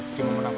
ini memang kenapa